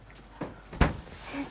先生。